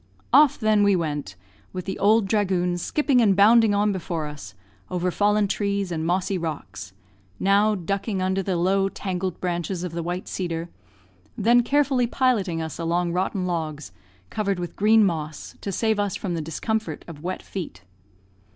Off, then, we went, with the "ould dhragoon" skipping and bounding on before us, over fallen trees and mossy rocks; now ducking under the low, tangled branches of the white cedar, then carefully piloting us along rotten logs, covered with green moss, to save us from the discomfort of wet feet.